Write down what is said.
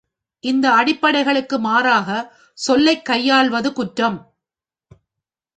இந்த அடிப்படைகளுக்கு மாறாகச் சொல்லைக் கையாள்வது குற்றம்?